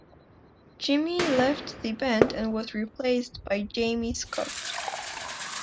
Jimi left the band and was replaced by Jamie Scott.